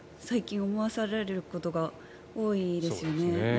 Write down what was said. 最近思わされることが多いですよね。